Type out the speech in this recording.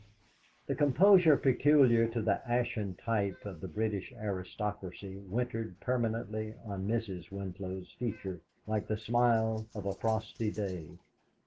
The composure peculiar to the ashen type of the British aristocracy wintered permanently on Mrs. Winlow's features like the smile of a frosty day.